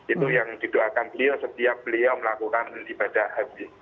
itu yang didoakan beliau setiap beliau melakukan ibadah haji